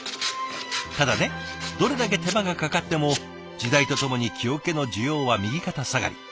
ただねどれだけ手間がかかっても時代とともに木桶の需要は右肩下がり。